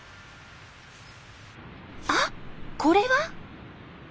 あっこれは？